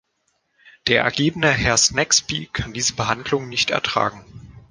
Der ergebene Herr Snagsby kann diese Behandlung nicht ertragen.